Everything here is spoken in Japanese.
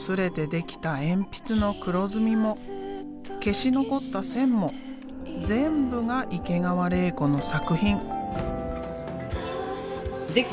鉛筆の黒ずみも消し残った線も全部が池川れい子の作品。